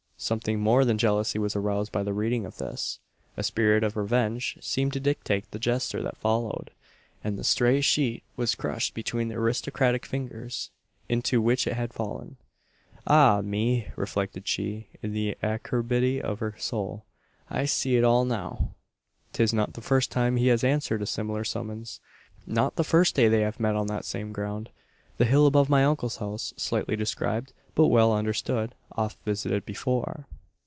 Something more than jealousy was aroused by the reading of this. A spirit of revenge seemed to dictate the gesture that followed, and the stray sheet was crushed between the aristocratic fingers into which it had fallen. "Ah, me!" reflected she, in the acerbity of her soul, "I see it all now. 'Tis not the first time he has answered a similar summons; not the first they have met on that same ground, `the hill above my uncle's house' slightly described, but well understood oft visited before."